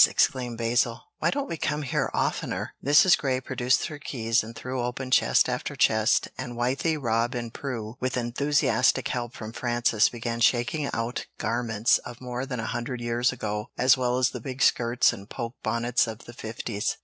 exclaimed Basil. "Why don't we come here oftener?" Mrs. Grey produced her keys and threw open chest after chest, and Wythie, Rob, and Prue, with enthusiastic help from Frances, began shaking out garments of more than a hundred years ago, as well as the big skirts and poke bonnets of the '50s.